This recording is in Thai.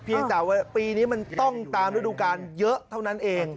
แต่ว่าปีนี้มันต้องตามฤดูการเยอะเท่านั้นเอง